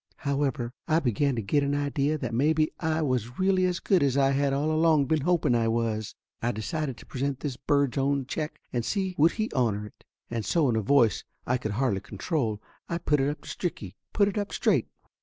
However, I begun to get an idea that maybe I was really as good as I had all along been hoping I was. I decided to present this bird's own check and see would he honor it; and so in a voice I could hardly control I put it up to Stricky put it up straight.